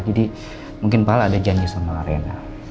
jadi mungkin pak al ada janji sama reina